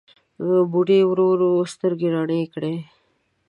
بوډۍ ورو ورو سترګې رڼې کړې.